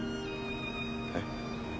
えっ？